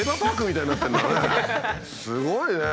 すごいね。